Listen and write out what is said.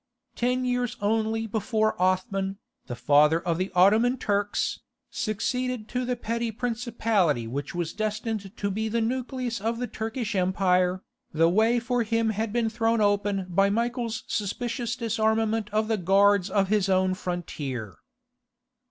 Ten years only before Othman, the father of the Ottoman Turks, succeeded to the petty principality which was destined to be the nucleus of the Turkish Empire, the way for him had been thrown open by Michael's suspicious disarmament of the guards of his own frontier.